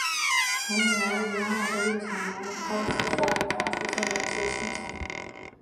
从女儿与妈妈的立场来剖析社会中出现的一些现象。